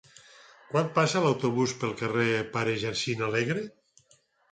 Quan passa l'autobús pel carrer Pare Jacint Alegre?